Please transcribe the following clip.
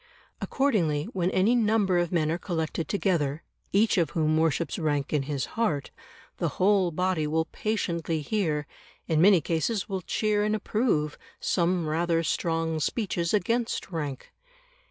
Accordingly, when any number of men are collected together, each of whom worships rank in his heart, the whole body will patiently hear in many cases will cheer and approve some rather strong speeches against rank.